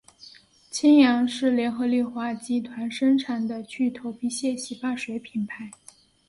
清扬是联合利华集团生产的去头皮屑洗发水品牌。